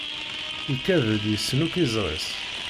Ikad-d yessen akk izri-s.